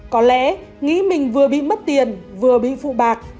có lẽ nghĩ mình vừa bị mất tiền vừa bị phụ bạc